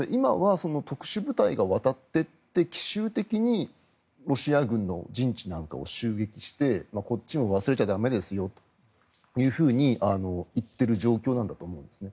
なので今は特殊部隊が渡っていって奇襲的にロシア軍の陣地なんかを襲撃してこっちも忘れちゃ駄目ですよというふうに言っている状況なんだと思うんですね。